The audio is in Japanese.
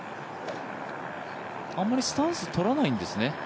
あんまりスタンスとらないんですね。